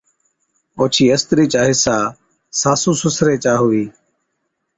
اوڇِي استرِي چا حصا ساسُو سُسري چا ھُوھِي